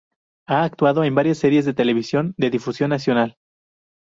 Ha actuado en varias series de televisión de difusión nacional.